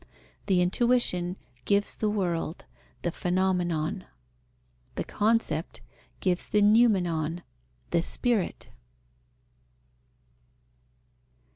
The intuition gives the world, the phenomenon; the concept gives the noumenon, the Spirit.